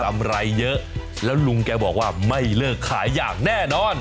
ำไรเยอะแล้วลุงแกบอกว่าไม่เลิกขายอย่างแน่นอน